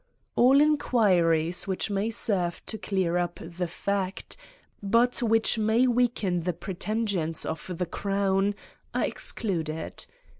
All inquiries which may serve to clear up the fact, but which may weaken the pretensions of the crown, are excluded.